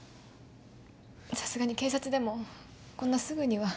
さすがに警察でもこんなすぐには。